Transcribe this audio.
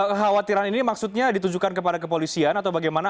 kekhawatiran ini maksudnya ditujukan kepada kepolisian atau bagaimana